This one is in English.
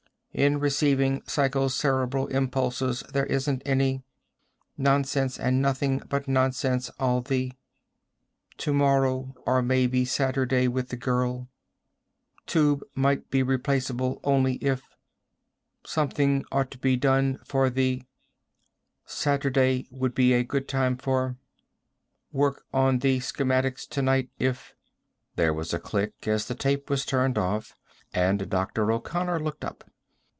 "... in receiving psychocerebral impulses there isn't any ... nonsense and nothing but nonsense all the ... tomorrow or maybe Saturday with the girl ... tube might be replaceable only if ... something ought to be done for the ... Saturday would be a good time for ... work on the schematics tonight if...." There was a click as the tape was turned off, and Dr. O'Connor looked up.